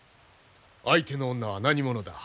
相手の女は何者だ？